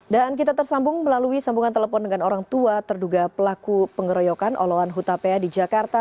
dan kita tersambung melalui sambungan telepon dengan orang tua terduga pelaku pengeroyokan oloan hutapea di jakarta